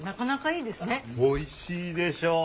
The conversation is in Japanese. おいしいでしょう？